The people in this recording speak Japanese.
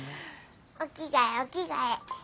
お着替えお着替え。